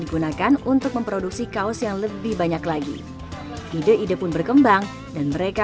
digunakan untuk memproduksi kaos yang lebih banyak lagi ide ide pun berkembang dan mereka